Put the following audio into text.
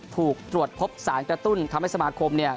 ถูกตรวจพบสารกระตุ้นทำให้สมาคมเนี่ย